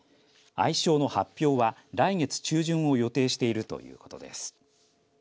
愛称の発表は来月中旬を予定しているということです。